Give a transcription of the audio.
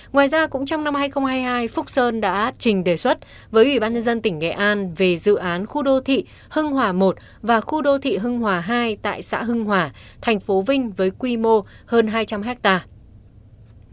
ngoài ra cũng trong năm hai nghìn hai mươi hai phúc sơn đã trình đề xuất với ủy ban nhân dân tỉnh nghệ an về dự án khu đô thị hưng hòa i và khu đô thị hưng hòa hai tại xã hưng hòa thành phố vinh với quy mô hơn hai trăm linh hectare